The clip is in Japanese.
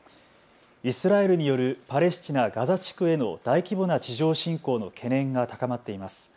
イスラエルによるパレスチナ・ガザ地区への大規模な地上侵攻の懸念が高まっています。